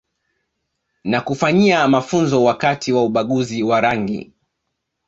Na kufanyia mafunzo wakati wa ubaguzi wa rangi